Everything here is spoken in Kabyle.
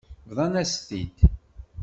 Bḍan-as-t-id.